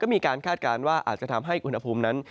คาดการณ์ว่าอาจจะทำให้อุณหภูมินั้น